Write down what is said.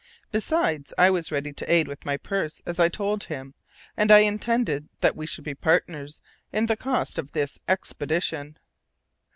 Besides I was ready to aid with my purse, as I told him, and I intended that we should be partners in tile cost of this expedition.